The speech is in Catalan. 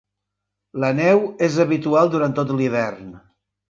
La neu és habitual durant tot l'hivern.